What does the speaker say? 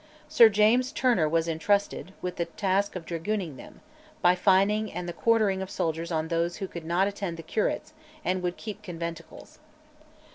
Sir James Turner was intrusted with the task of dragooning them, by fining and the quartering of soldiers on those who would not attend the curates and would keep conventicles.